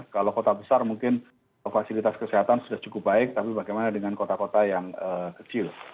kalau kota besar mungkin fasilitas kesehatan sudah cukup baik tapi bagaimana dengan kota kota yang kecil